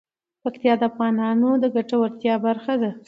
پکتیکا د افغانانو د ګټورتیا برخه ده.